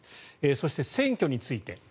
そして選挙について。